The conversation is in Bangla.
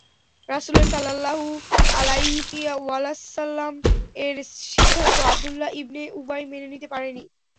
রাসূলের সাল্লাল্লাহু আলাইহি ওয়াসাল্লাম-এর সিদ্ধান্ত আব্দুল্লাহ ইবনে উবাই-মেনে নিতে পারেনি।